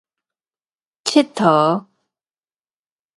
𨑨 迌